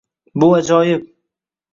Bu ajoyib